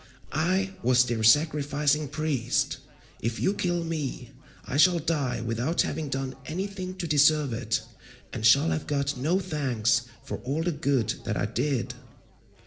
I was their sacrificing priest; if you kill me, I shall die without having done anything to deserve it, and shall have got no thanks for all the good that I did."